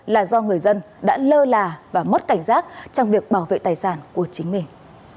là do người dân đã lơ là và mất cảnh giác trong việc bảo vệ tài sản của chính mình